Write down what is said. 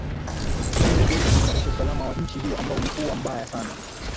ili kuweza kuimarisha usalama wa nchi hiyo ambao umekuwa mbaya sana